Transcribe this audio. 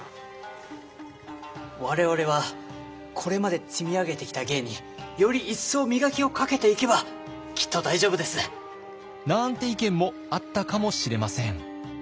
我々はこれまで積み上げてきた芸により一層磨きをかけていけばきっと大丈夫です。なんて意見もあったかもしれません。